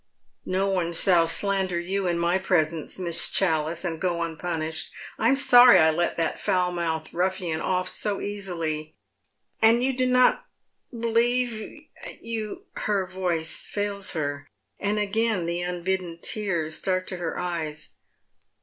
" No one shall slander you in my presence. Miss ChalUce, aftd go unpunished. I'm sorry I let that foul mouthed ruffian off so easily." " And you do not beheve you " Her voice fails her, and again the unbidden tears start to her eyes.